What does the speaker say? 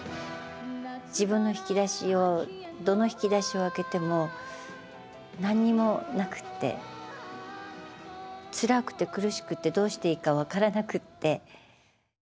自分の引き出しをどの引き出しを開けても何もなくてつらくて苦しくてどうしていいか分からなくて。